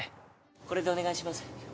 これでお願いします